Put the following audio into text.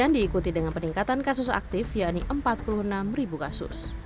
diikuti dengan peningkatan kasus aktif yakni empat puluh enam kasus